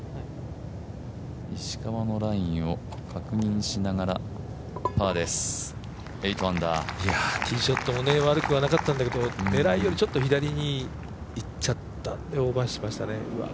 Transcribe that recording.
石川のラインを確認しながらパーです、ティーショットも悪くはなかったんだけど、狙いよりちょっと左に行っちゃってオーバーしちゃいましたね。